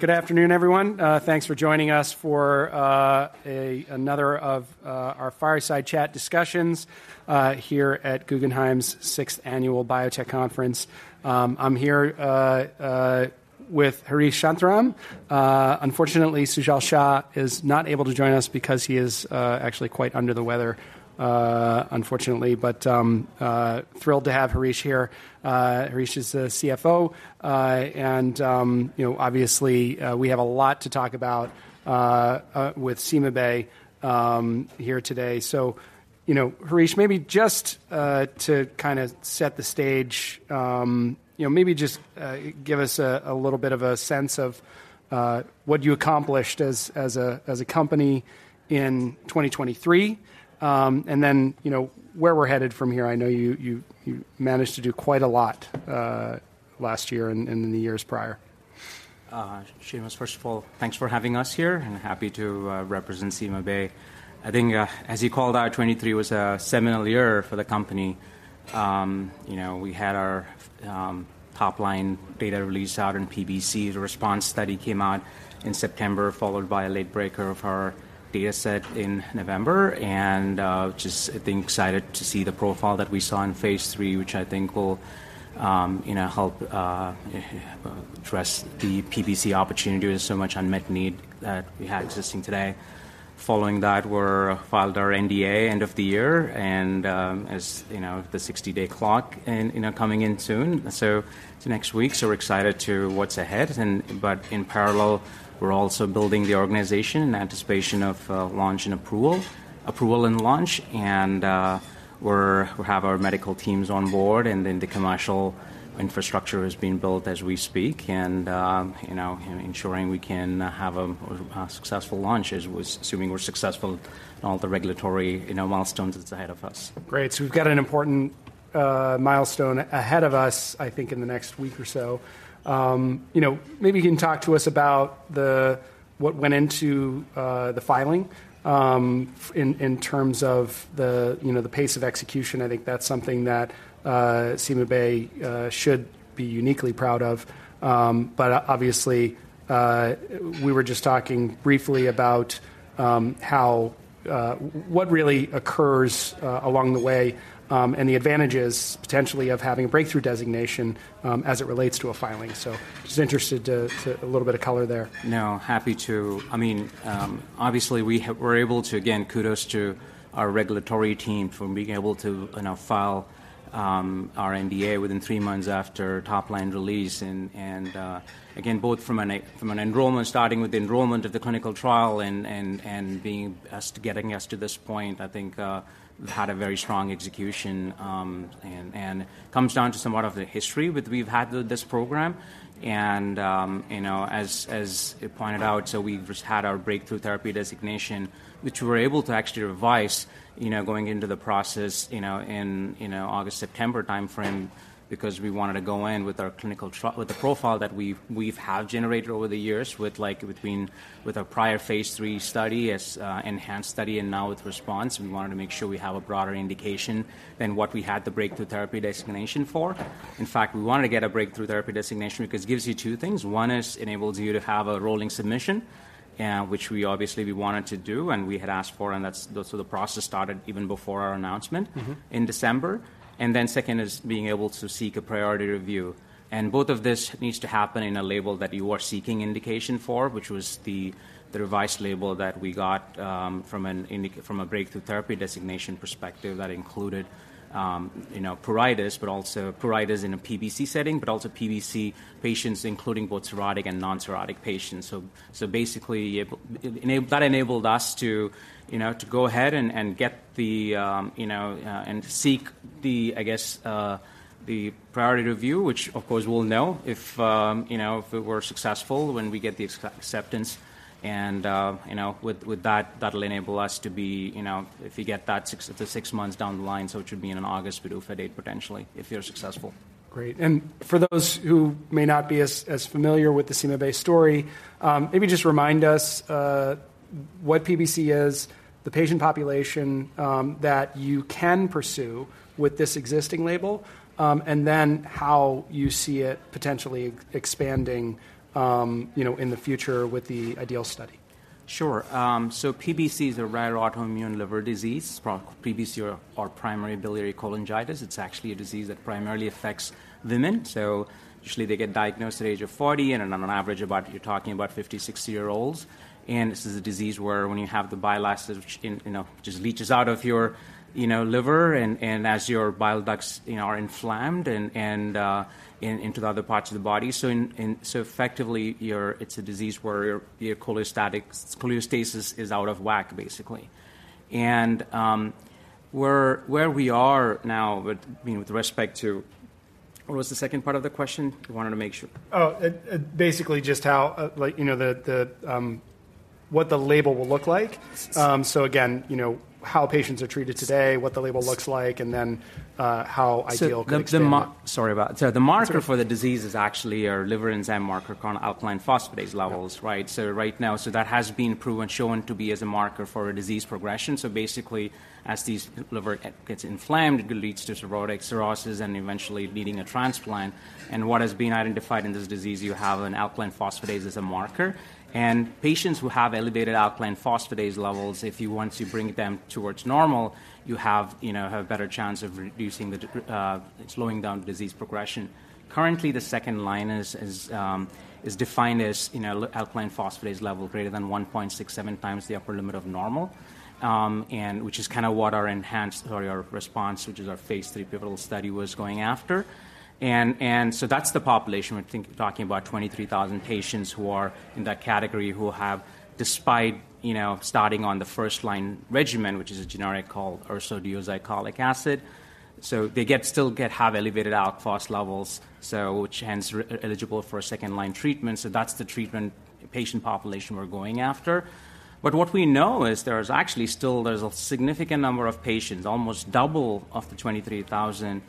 Good afternoon, everyone. Thanks for joining us for another of our Fireside Chat discussions here at Guggenheim's Sixth Annual Biotech Conference. I'm here with Harish Shantharam. Unfortunately, Sujal Shah is not able to join us because he is actually quite under the weather, unfortunately, but thrilled to have Harish here. Harish is the CFO, and you know, obviously, we have a lot to talk about with CymaBay here today. So, you know, Harish, maybe just to kinda set the stage, you know, maybe just give us a little bit of a sense of what you accomplished as a company in 2023, and then, you know, where we're headed from here. I know you managed to do quite a lot last year and in the years prior. Seamus, first of all, thanks for having us here, and happy to represent CymaBay. I think, as you called out, 2023 was a seminal year for the company. You know, we had our top-line data release out in PBC. The RESPONSE study came out in September, followed by a late breaker of our data set in November, and just, I think, excited to see the profile that we saw in phase three, which I think will, you know, help address the PBC opportunity with so much unmet need that we have existing today. Following that, we're filed our NDA end of the year and, as you know, the 60-day clock and, you know, coming in soon. So it's next week, so we're excited to what's ahead and... In parallel, we're also building the organization in anticipation of launch and approval, approval and launch, and we have our medical teams on board, and then the commercial infrastructure is being built as we speak, and you know, ensuring we can have a successful launch as we're assuming we're successful in all the regulatory milestones that's ahead of us. Great. So we've got an important milestone ahead of us, I think, in the next week or so. You know, maybe you can talk to us about the-- what went into the filing, in terms of the, you know, the pace of execution. I think that's something that CymaBay should be uniquely proud of. But obviously, we were just talking briefly about how what really occurs along the way, and the advantages, potentially, of having a breakthrough designation, as it relates to a filing. So just interested to a little bit of color there. No, happy to. I mean, obviously, we have, we're able to, again, kudos to our regulatory team for being able to, you know, file our NDA within three months after top-line release. And, again, both from an enrollment, starting with the enrollment of the clinical trial and and and being, getting us to this point, I think, we've had a very strong execution, and it comes down to somewhat of the history which we've had with this program. And you know, as you pointed out, so we've just had our Breakthrough Therapy Designation, which we were able to actually revise, you know, going into the process, you know, in, you know, August, September timeframe, because we wanted to go in with our clinical trial with the profile that we've, we've have generated over the years with, like, between, with our prior phase III study as, uh, ENHANCE study and now with RESPONSE. We wanna make sure we have a broader indication than what we had the Breakthrough Therapy Designation for. In fact, we wanted to get a Breakthrough Therapy Designation because it gives you two things. One is enables you to have a rolling submission, and which we obviously we wanted to do and we had asked for, and that's, those are the process started even before our announcement- Mm-hmm. in December. And then second is being able to seek a priority review. And both of this needs to happen in a label that you are seeking indication for, which was the revised label that we got from a breakthrough therapy designation perspective that included you know pruritus, but also pruritus in a PBC setting, but also PBC patients, including both cirrhotic and non-cirrhotic patients. So basically, that enabled us to you know to go ahead and get the you know and seek the I guess the priority review, which of course, we'll know if you know if we were successful when we get the acceptance. And, you know, with, with that, that'll enable us to be, you know, if we get that six months down the line, so it should be in an August PDUFA date, potentially, if you're successful. Great. And for those who may not be as familiar with the CymaBay story, maybe just remind us, what PBC is, the patient population, that you can pursue with this existing label, and then how you see it potentially expanding, you know, in the future with the IDEAL study. Sure. So PBC is a rare autoimmune liver disease, PBC or primary biliary cholangitis. It's actually a disease that primarily affects women. So usually they get diagnosed at the age of 40, and on an average, about you're talking about 50, 60-year-olds. And this is a disease where when you have the bile acid, which, you know, just leaches out of your, you know, liver and as your bile ducts, you know, are inflamed and into the other parts of the body. So effectively, your cholestasis is out of whack, basically. And where we are now, with, I mean, with respect to... What was the second part of the question? I wanted to make sure. Basically just how, like, you know, what the label will look like? So again, you know, how patients are treated today, what the label looks like, and then how IDEAL could extend- So, Sorry about that. So the marker for the disease is actually our liver enzyme marker, called alkaline phosphatase levels, right? Yeah. Right now, that has been proven, shown to be as a marker for a disease progression. So basically, as these livers get inflamed, it leads to cirrhosis and eventually needing a transplant. And what has been identified in this disease, you have an alkaline phosphatase as a marker, and patients who have elevated alkaline phosphatase levels, if you want to bring them towards normal, you have, you know, have a better chance of reducing, slowing down disease progression. Currently, the second line is defined as, you know, alkaline phosphatase level greater than 1.67 times the upper limit of normal. And which is kind of what our ENHANCE or our RESPONSE, which is our phase III pivotal study, was going after. And and so that's the population. We think talking about 23,000 patients who are in that category, who have, despite, you know, starting on the first-line regimen, which is a generic called ursodeoxycholic acid. So they still get, have elevated alk phos levels, so which hence, eligible for a second-line treatment. So that's the treatment patient population we're going after. But what we know is there is actually still, there's a significant number of patients, almost double of the 23,000,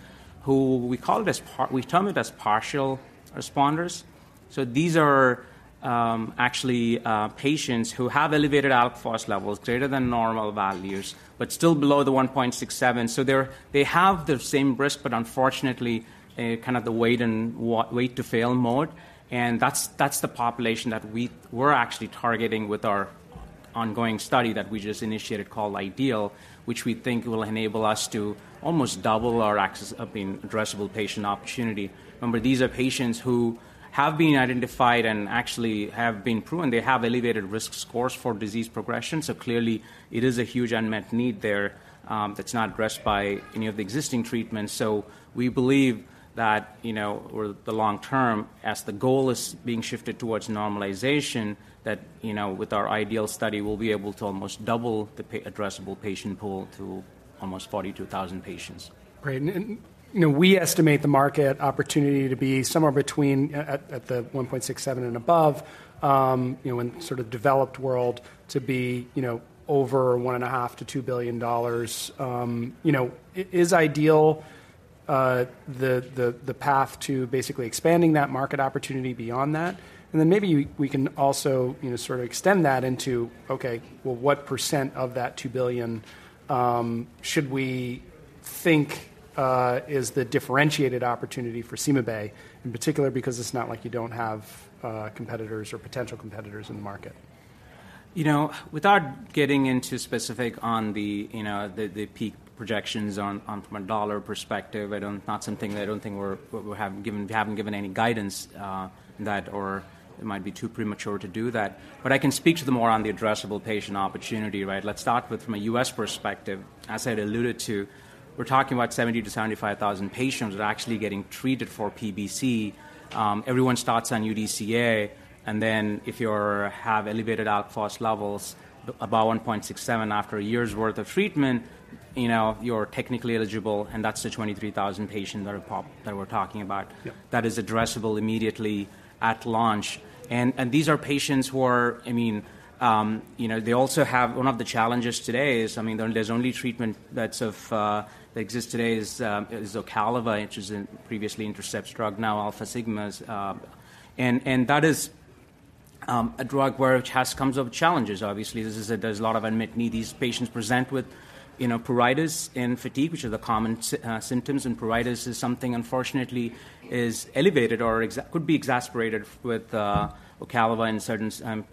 who we call this part. We term it as partial responders. So these are, actually, patients who have elevated alk phos levels, greater than normal values, but still below the 1.67. So they're, they have the same risk, but unfortunately, kind of the wait and wait to fail mode. And that's, that's the population that we're actually targeting with our ongoing study that we just initiated called IDEAL, which we think will enable us to almost double our access of the addressable patient opportunity. Remember, these are patients who have been identified and actually have been proven, they have elevated risk scores for disease progression, so clearly it is a huge unmet need there, that's not addressed by any of the existing treatments. So we believe that, you know, over the long term, as the goal is being shifted towards normalization, that, you know, with our IDEAL study, we'll be able to almost double the addressable patient pool to almost 42,000 patients. Great. And you know, we estimate the market opportunity to be somewhere between at the 1.67 and above, you know, in sort of developed world to be, you know, over $1.5 billion-$2 billion. You know, it is IDEAL the path to basically expanding that market opportunity beyond that? And then maybe we can also, you know, sort of extend that into, okay, well, what percent of that $2 billion should we think is the differentiated opportunity for in particular? Because it's not like you don't have competitors or potential competitors in the market. You know, without getting into specific on the, you know, the, the the peak projections on, on from a dollar perspective, I don't... Not something I don't think we're, we have given, we haven't given any guidance, on that, or it might be too premature to do that. But I can speak to the more on the addressable patient opportunity, right? Let's start with from a U.S. perspective. As I'd alluded to, we're talking about 70,000-75,000 patients who are actually getting treated for PBC. Everyone starts on UDCA, and then if you're, have elevated ALP levels above 1.67 after a year's worth of treatment, you know, you're technically eligible, and that's the 23,000 patients that we're talking about- Yeah... That is addressable immediately at launch. And and these are patients who are, I mean, you know, they also have, one of the challenges today is, I mean, there's only treatment that exists today is OCALIVA, which is in previously Intercept's drug, now Alfasigma's. And and that is a drug which has comes of challenges. Obviously, this is, there's a lot of unmet need. These patients present with, you know, pruritus and fatigue, which are the common symptoms, and pruritus is something unfortunately is elevated or could be exasperated with OCALIVA in a certain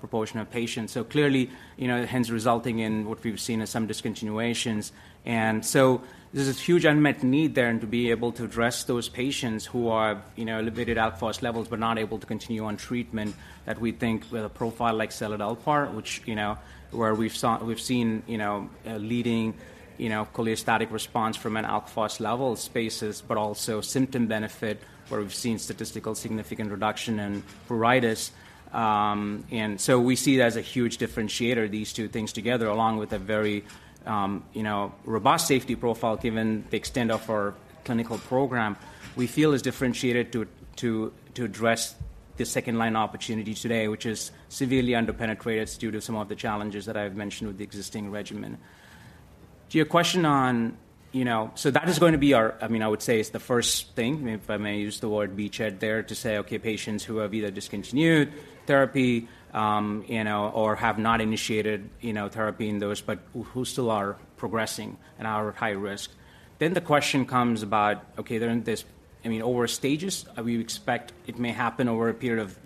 proportion of patients. So clearly, you know, hence resulting in what we've seen as some discontinuations. And so there's this huge unmet need there, and to be able to address those patients who are, you know, elevated alk phos levels but not able to continue on treatment, that we think with a profile like seladelpar, which, you know, where we've seen, you know, leading, you know, cholestatic response from an alk phos levels spaces, but also symptom benefit, where we've seen statistical significant reduction in pruritus. And so we see it as a huge differentiator, these two things together, along with a very, you know, robust safety profile, given the extent of our clinical program, we feel is differentiated to address the second-line opportunity today, which is severely underpenetrated due to some of the challenges that I've mentioned with the existing regimen. To your question on, you know... So that is going to be our, I mean, I would say it's the first thing, if I may use the word beachhead there, to say, okay, patients who have either discontinued therapy, you know, or have not initiated, you know, therapy in those, but who still are progressing and are at high risk. Then the question comes about, okay, they're in this, I mean, over stages, we expect it may happen over a period of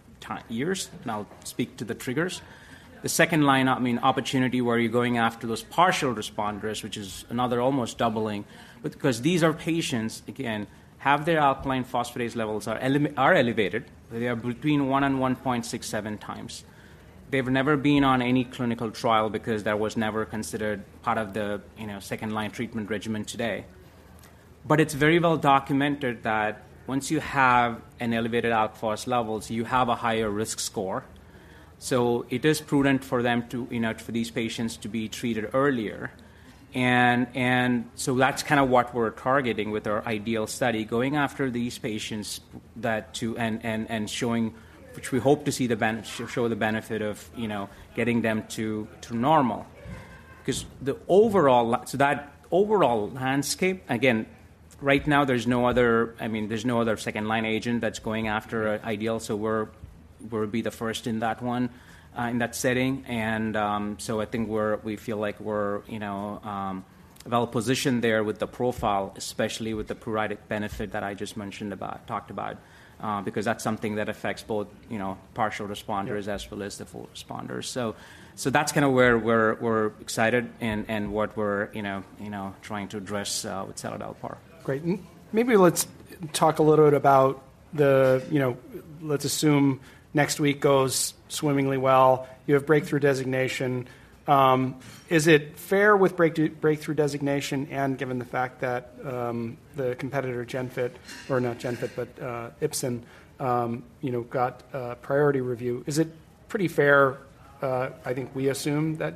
years, and I'll speak to the triggers. The second line, I mean, opportunity, where you're going after those partial responders, which is another almost doubling, but 'cause these are patients, again, have their alkaline phosphatase levels are elevated. They are between 1 and 1.67 times. They've never been on any clinical trial because that was never considered part of the, you know, second-line treatment regimen today. But it's very well documented that once you have an elevated ALP levels, you have a higher risk score. So it is prudent for them to, you know, for these patients to be treated earlier. And and so that's kind of what we're targeting with our IDEAL study, going after these patients that too and and showing, which we hope to see the benefit of, you know, getting them to normal. 'Cause the overall landscape, again, right now, there's no other, I mean, there's no other second-line agent that's going after IDEAL, so we'll be the first in that one, in that setting. I think we feel like we're, you know, well-positioned there with the profile, especially with the pruritic benefit that I just mentioned about, talked about, because that's something that affects both, you know, partial responders- Yeah. as well as the full responders. So, so that's kind of where we're we're excited and what we're, you know, trying to address with seladelpar. Great. Maybe let's talk a little bit about the, you know, let's assume next week goes swimmingly well. You have breakthrough designation. Is it fair with breakthrough designation and given the fact that, the competitor Genfit, or not Genfit, but, Ipsen, you know, got a priority review? Is it pretty fair, I think we assume that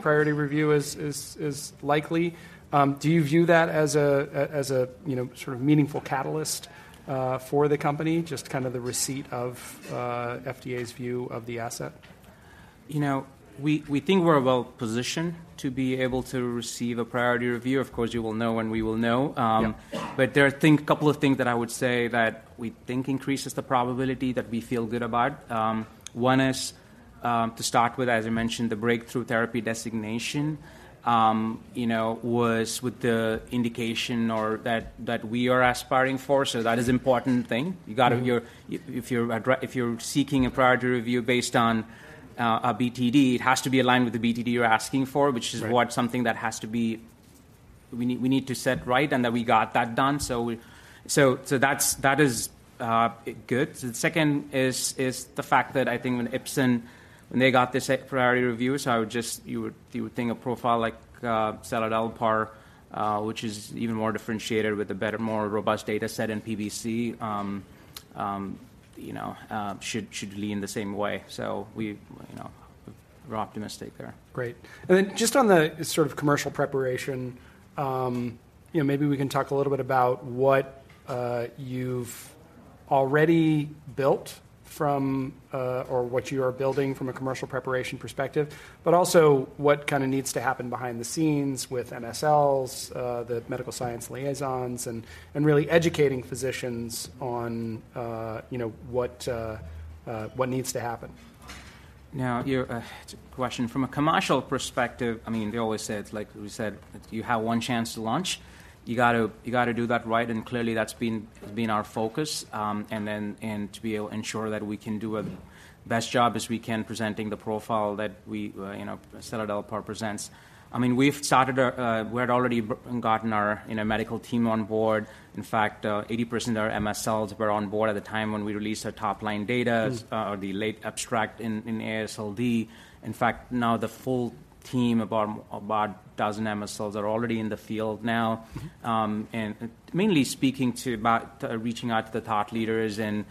priority review is likely. Do you view that as a, as a, you know, sort of meaningful catalyst, for the company, just kind of the receipt of, FDA's view of the asset? You know, we think we're well-positioned to be able to receive a priority review. Of course, you will know when we will know. Yeah. But there are things, a couple of things that I would say that we think increases the probability that we feel good about. One is, to start with, as I mentioned, the breakthrough therapy designation, you know, was with the indication or that, that we are aspiring for, so that is important thing. Mm-hmm. You gotta you're, if you're seeking a priority review based on a BTD, it has to be aligned with the BTD you're asking for. Right. which is what something that has to be. We we need to set right, and then we got that done. So that's, that's it good. And second is the fact that I think when Ipsen, when they got this priority review, so you would think a profile like seladelpar, which is even more differentiated with a better, more robust data set in PBC, you know, should should lead in the same way. So you know, we're optimistic there. Great. And then just on the sort of commercial preparation, you know, maybe we can talk a little bit about what you've already built from, or what you are building from a commercial preparation perspective, but also what kind of needs to happen behind the scenes with MSLs, the medical science liaisons, and really educating physicians on, you know, what what needs to happen. Now, your question from a commercial perspective, I mean, they always say, it's like we said, "You have one chance to launch." You got to, you got to do that right, and clearly, that's been our focus, and then and to be able to ensure that we can do a best job as we can, presenting the profile that we, you know, seladelpar presents. I mean, we've started, we had already begun getting our, you know, medical team on board. In fact, 80% of our MSLs were on board at the time when we released our top-line data. Mm-hmm. The late abstract in AASLD. In fact, now the full team, about dozen MSLs, are already in the field now, and mainly speaking to about reaching out to the thought leaders and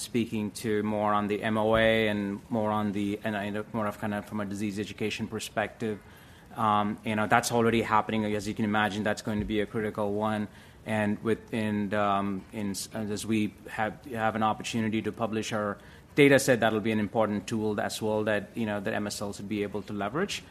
speaking to more on the MOA and more on the... and more of kind of from a disease education perspective. You know, that's already happening. As you can imagine, that's gonna be a critical one, and within, in, as we have an opportunity to publish our data set, that'll be an important tool as well, that, you know, the MSLs will be able to leverage.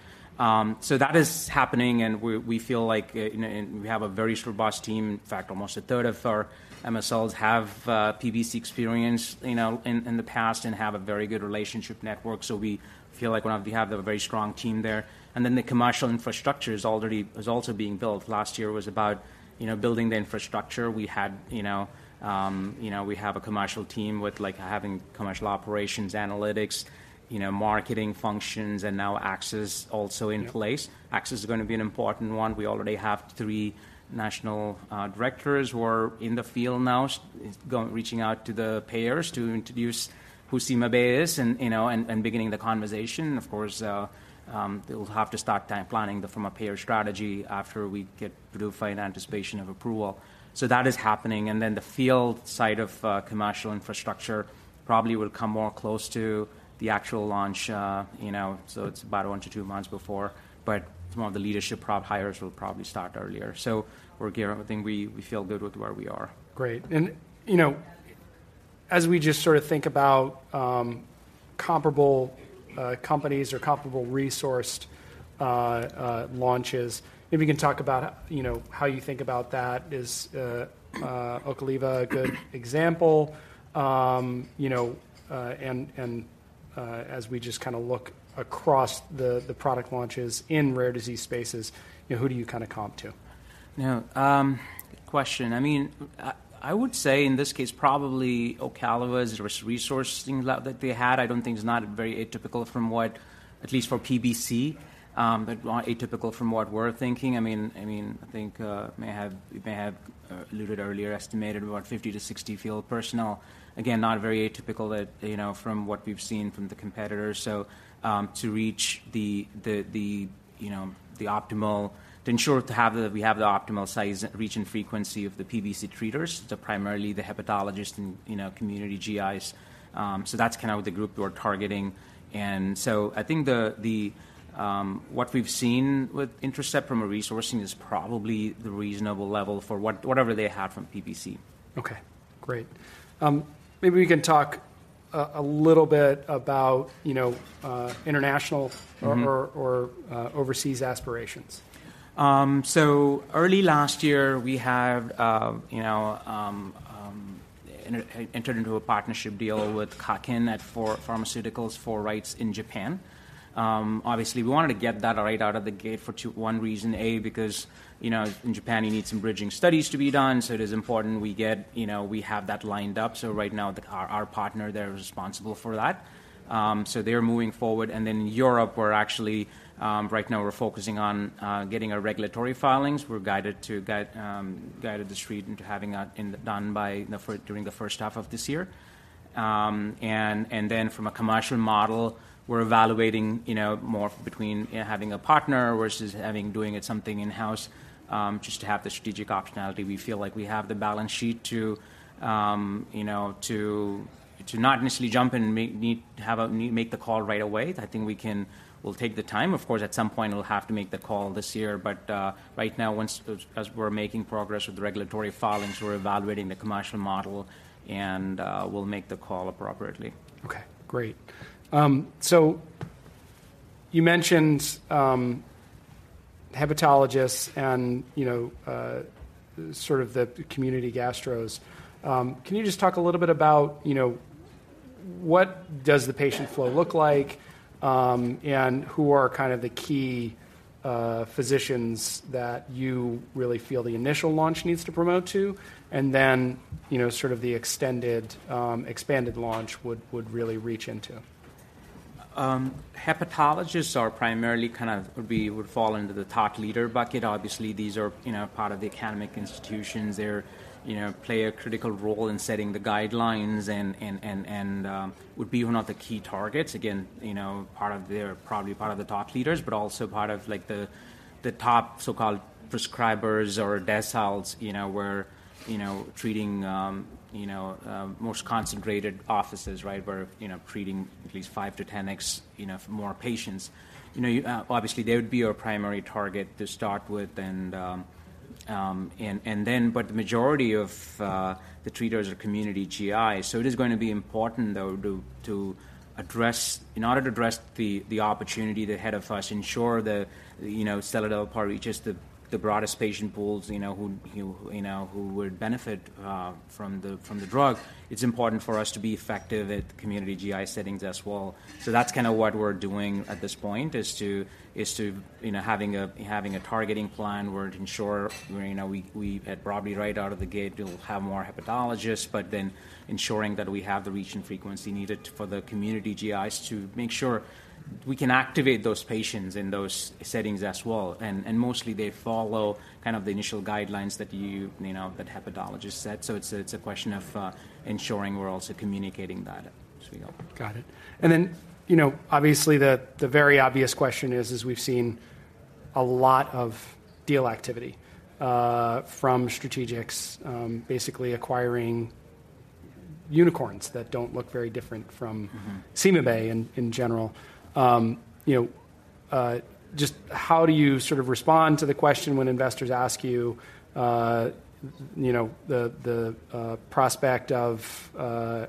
So that is happening, and we feel like, you know, and we have a very robust team. In fact, almost a third of our MSLs have PBC experience, you know, in the past and have a very good relationship network, so we feel like we have a very strong team there. And then the commercial infrastructure is already also being built. Last year was about, you know, building the infrastructure. We had you know, you know we have a commercial team with, like, having commercial operations, analytics, you know, marketing functions, and now access also in place. Yeah. Access is going to be an important one. We already have three national directors who are in the field now, reaching out to the payers to introduce who CymaBay is and, you know, and beginning the conversation. Of course, they'll have to start time planning from a payer strategy after we get through, in anticipation of approval. So that is happening. And then the field side of commercial infrastructure probably will come more close to the actual launch, you know, so it's about 1-2 months before, but some of the leadership hires will probably start earlier. So I think we feel good with where we are. Great. And, you know, as we just sort of think about, comparable, companies or comparable resourced, launches, maybe you can talk about, you know, how you think about that. Is, Ocaliva a good example? You know, and, and, as we just kind of look across the, the product launches in rare disease spaces, you know, who do you kind of comp to? Yeah, good question. I mean, I would say in this case, probably Ocaliva's resourcing level that they had, I don't think it's not very atypical from what, at least for PBC, but atypical from what we're thinking. I mean, I think, we may have alluded earlier, estimated about 50-60 field personnel. Again, not very atypical that, you know, from what we've seen from the competitors. So, to reach the, you know, the optimal to ensure to have the, we have the optimal size, reach, and frequency of the PBC treaters, so primarily the hepatologist and, you know, community GIs. So that's kind of the group we're targeting. And so I think the, what we've seen with Intercept from a resourcing is probably the reasonable level for whatever they have from PBC. Okay, great. Maybe we can talk a little bit about, you know, international- Mm-hmm our overseas aspirations. So early last year, we have, you know, entered into a partnership deal with Kaken Pharmaceutical for rights in Japan. Obviously, we wanted to get that right out of the gate for two... One reason, A, because, you know, in Japan, you need some bridging studies to be done, so it is important we get, you know, we have that lined up. So right now, our partner there is responsible for that. So they're moving forward, and then Europe, we're actually right now we're focusing on getting our regulatory filings. We're guided to guide, guided the Street into having that done during the first half of this year. And then from a commercial model, we're evaluating, you know, more between having a partner versus doing something in-house, just to have the strategic optionality. We feel like we have the balance sheet to, you know, to to not necessarily jump in and make the call right away. I think we can, we'll take the time. Of course, at some point, we'll have to make the call this year, but right now, as we're making progress with the regulatory filings, we're evaluating the commercial model, and we'll make the call appropriately. Okay, great. So you mentioned, hepatologists and, you know, sort of the community gastros. Can you just talk a little bit about, you know, what does the patient flow look like, and who are kind of the key, physicians that you really feel the initial launch needs to promote to? And then, you know, sort of the extended, expanded launch would, would really reach into. Hepatologists are primarily kind of would be would fall into the thought leader bucket. Obviously, these are, you know, part of the academic institutions. They're, you know, play a critical role in setting the guidelines and would be one of the key targets. Again, you know, part of they're probably part of the top leaders, but also part of, like, the top so-called prescribers or deciles, you know, where, you know, treating you know most concentrated offices, right? Where, you know, treating at least five-10x more patients. You know, obviously, they would be our primary target to start with and then but the majority of the treaters are community GIs. So it is gonna be important, though, to address... In order to address the opportunity ahead of us, ensure that, you know, seladelpar reaches the broadest patient pools, you know, who would benefit from the, from the drug. It's important for us to be effective at the community GI settings as well. So that's kinda what we're doing at this point, is to, is to you know, having a targeting plan where to ensure, you know, we had probably right out of the gate, we'll have more hepatologists, but then ensuring that we have the reach and frequency needed for the community GIs to make sure we can activate those patients in those settings as well. And then mostly, they follow kind of the initial guidelines that you know, that hepatologist set. So it's a question of ensuring we're also communicating that as we go. Got it. And then, you know, obviously, the very obvious question is, we've seen a lot of deal activity from strategics, basically acquiring unicorns that don't look very different from- Mm-hmm... seemingly, in general. You know, just how do you sort of respond to the question when investors ask you, you know, the prospect of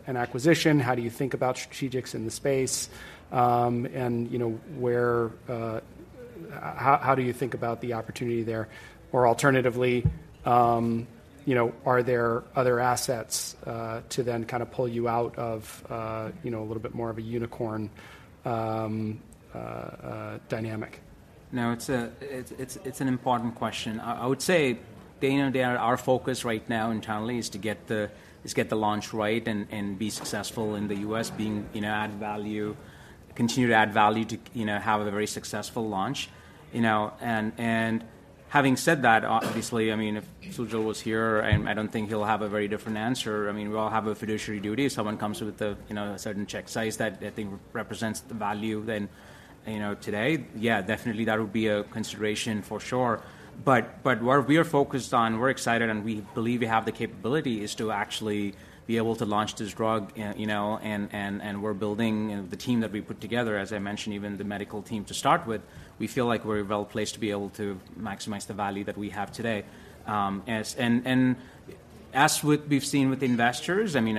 an acquisition? How do you think about strategics in the space? And, you know, where, how do you think about the opportunity there? Or alternatively, you know, are there other assets to then kind of pull you out of, you know, a little bit more of a unicorn dynamic? No, it's it's an important question. I would say at the end of the day, our focus right now internally is to get the, get the launch right and and be successful in the U.S., you know, add value, continue to add value to, you know, have a very successful launch. You know, and and having said that, obviously, I mean, if Sujal was here, I don't think he'll have a very different answer. I mean, we all have a fiduciary duty. If someone comes with a, you know, a certain check size that I think represents the value, then, you know, today, yeah, definitely that would be a consideration for sure. But but what we are focused on, we're excited, and we believe we have the capability, is to actually be able to launch this drug, you know, and we're building the team that we put together, as I mentioned, even the medical team to start with. We feel like we're well-placed to be able to maximize the value that we have today. As and and as we've seen with investors, I mean,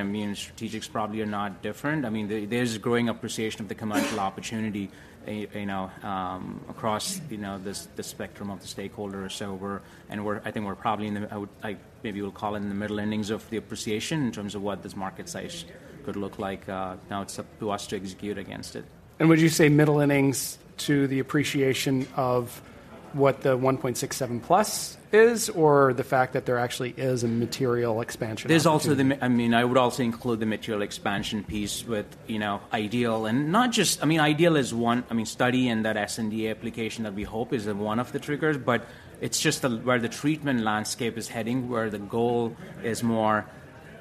strategics probably are not different. I mean, there's there's a growing appreciation of the commercial opportunity, you know, across the spectrum of the stakeholders. So we're, and we're, I think we're probably in the...I would, I maybe will call it in the middle innings of the appreciation in terms of what this market size could look like, now it's up to us to execute against it. Would you say middle innings to the appreciation of what the 1.67+ is, or the fact that there actually is a material expansion opportunity? There's also the... I mean, I would also include the material expansion piece with, you know, IDEAL and not just... I mean, IDEAL is one, I mean, study and that sNDA application that we hope is one of the triggers, but it's just the, where the treatment landscape is heading, where the goal is more,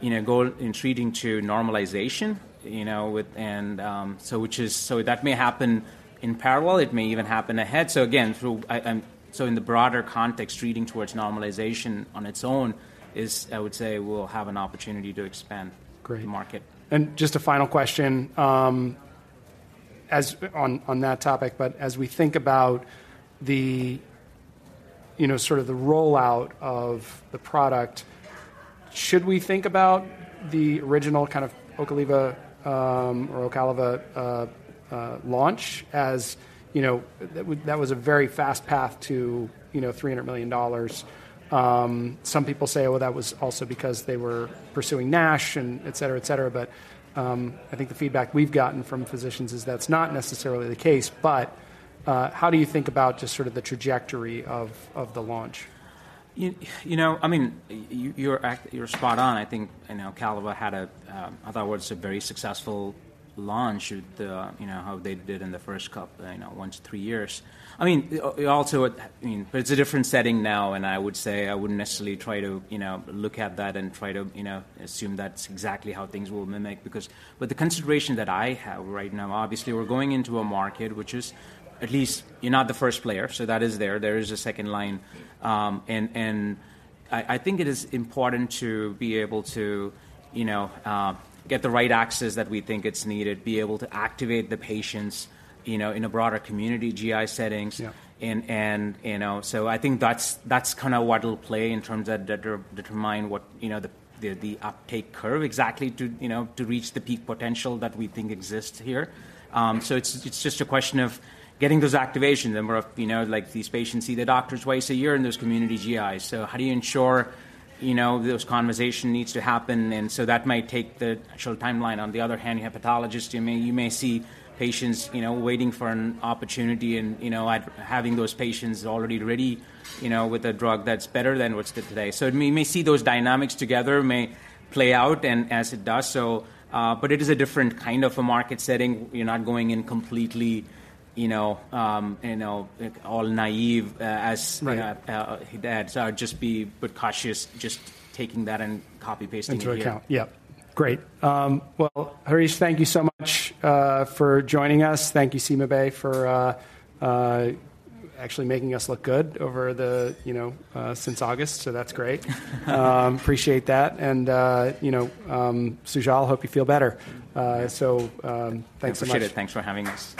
you know, goal in treating to normalization, you know, with, and, so which is-- So that may happen in parallel, it may even happen ahead. So again, through, I, so in the broader context, treating towards normalization on its own is, I would say, will have an opportunity to expand- Great -the market. And just a final question, as on that topic, but as we think about the you know, sort of the rollout of the product, should we think about the original kind of OCALIVA, or OCALIVA, launch, as you know, that was a very fast path to, you know, $300 million. Some people say, "Oh, that was also because they were pursuing NASH," and et cetera, et cetera. But, I think the feedback we've gotten from physicians is that's not necessarily the case. But, how do you think about just sort of the trajectory of the launch? You know, I mean, you're spot on. I think, you know, Ocaliva had a, I thought was a very successful launch with the, you know, how they did in the first couple, you know, 1-3 years. I mean, also it, I mean, but it's a different setting now, and I would say I wouldn't necessarily try to, you know, look at that and try to, you know, assume that's exactly how things will mimic. Because... But the consideration that I have right now, obviously, we're going into a market which is at least you're not the first player, so that is there. There is a second line. And and I think it is important to be able to, you know, get the right access that we think it's needed, be able to activate the patients, you know, in a broader community, GI settings. Yeah. And you know, so I think that's kinda what will play in terms of determine what, you know, the uptake curve exactly to, you know, to reach the peak potential that we think exists here. So it's just a question of getting those activations, and where, you know, like, these patients see their doctors twice a year in those community GIs. So how do you ensure, you know, those conversations need to happen? And so that might take the actual timeline. On the other hand, you have hepatologists, you may see patients, you know, waiting for an opportunity and, you know, having those patients already ready, you know, with a drug that's better than what's good today. So we may see those dynamics together may play out and as it does so. But it is a different kind of a market setting. We're not going in completely, you know, you know, all naive, as- Right. So just be cautious, just taking that and copy-pasting it here. Into account. Yeah. Great. Well, Harish, thank you so much for joining us. Thank you, CymaBay, for actually making us look good over the, you know, since August, so that's great. Appreciate that. And, you know, Sujal, I hope you feel better. So, thanks so much. Appreciate it. Thanks for having us.